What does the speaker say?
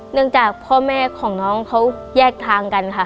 จากพ่อแม่ของน้องเขาแยกทางกันค่ะ